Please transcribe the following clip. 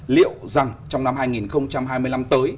liệu rằng trong năm hai nghìn hai mươi năm tới